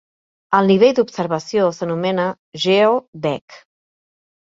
El nivell d'observació s'anomena "GeO-Deck".